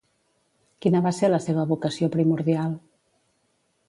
Quina va ser la seva vocació primordial?